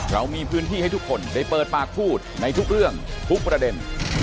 เรามีพื้นที่ให้ทุกคนได้เปิดปากพูดในทุกเรื่องทุกประเด็น